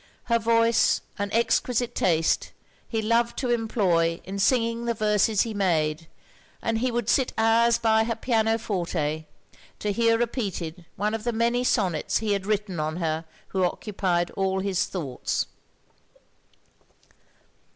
Her voice, and exquisite taste, he loved to employ in singing the verses he made; and he would sit hours by her piano forté to hear repeated one of the many sonnets he had written on her who occupied all his thoughts.